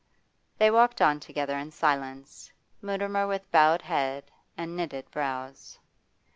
They walked on together in silence, Mutimer with bowed head and knitted brows.